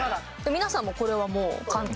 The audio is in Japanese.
皆さんもこれはもう簡単。